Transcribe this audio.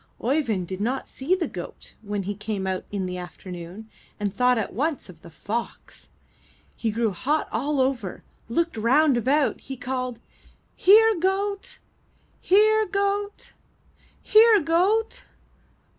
Oeyvind did not see the goat when he came out in the afternoon and thought at once of the fox. He grew hot all over, looked round about and called: Here, goat! Here, goat! Here, goat!'